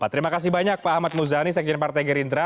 terima kasih banyak pak ahmad muzani sekjen partai gerindra